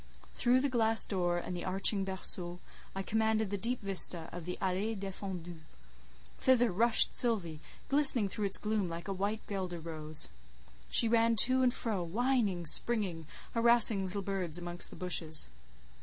Through the glass door and the arching berceau, I commanded the deep vista of the allée défendue: thither rushed Sylvie, glistening through its gloom like a white guelder rose. She ran to and fro, whining, springing, harassing little birds amongst the bushes.